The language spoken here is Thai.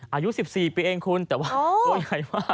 อายุ๑๔ปีเองคุณแต่ว่าตัวใหญ่มาก